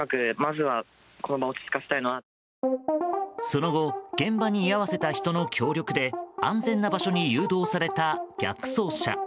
その後現場に居合わせた人の協力で安全な場所に誘導された逆走車。